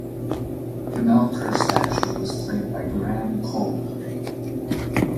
The Melkur statue was played by Graham Cole.